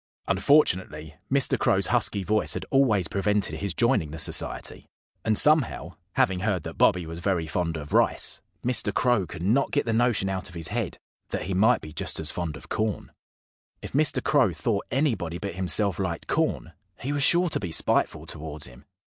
Unfortunately, Mr. Crow's husky voice had always prevented his joining the Society. And somehow having heard that Bobby was very fond of rice Mr. Crow could not get the notion out of his head that he might be just as fond of corn. If Mr. Crow thought anybody but himself liked corn he was sure to be spiteful towards him.